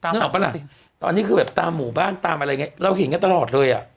นึกออกปะล่ะตอนนี้คือแบบตามหมู่บ้านตามอะไรอย่างนี้เราเห็นกันตลอดเลยอ่ะ